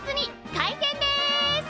開店です！